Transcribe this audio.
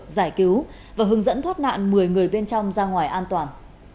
giải cứu và hướng dẫn thoát nạn một mươi người bên trong ra ngoài an toàn